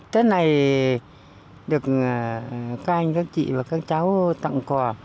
tết này được các anh các chị và các cháu tặng quà